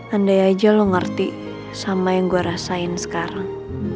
andai aja lo ngerti sama yang gue rasain sekarang